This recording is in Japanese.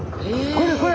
これこれ？